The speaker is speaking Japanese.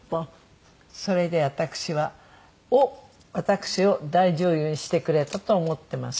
それで私を私を大女優にしてくれたと思ってます。